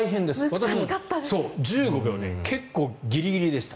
私も１５秒で結構ギリギリでした。